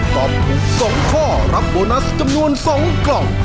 ตอบถูก๒ข้อรับโบนัสจำนวน๒กล่อง